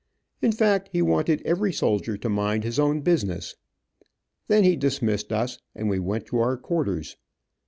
In fact he wanted every soldier to mind his own business. Then he dismissed us, and we went to our quarters.